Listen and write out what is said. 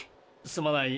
すまない。